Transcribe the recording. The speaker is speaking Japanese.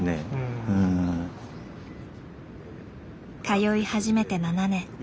通い始めて７年。